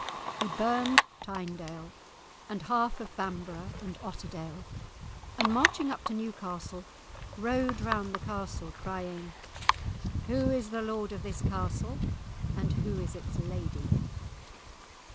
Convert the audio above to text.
He burned Tynedale and half of Bamborough and Otterdale, and marching up to Newcastle, rode round about the castle, crying, "Who is lord of this castle, and who is its lady?"